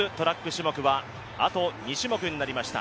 種目はあと２種目になりました。